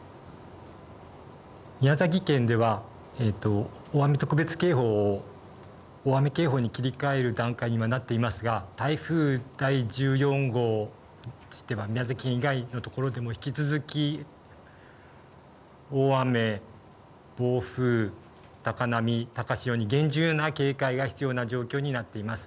宮崎県では大雨特別警報を大雨警報に切り替える段階に今、なっていますが、台風第１４号については宮崎以外の所でも引き続き大雨、暴風、高波、高潮に厳重な警戒が必要な状況になっています。